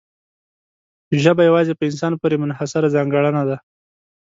ژبه یوازې په انسان پورې منحصره ځانګړنه ده.